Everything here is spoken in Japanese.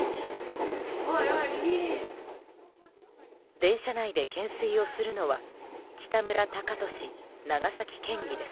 電車内で懸垂をするのは北村貴寿長崎県議です。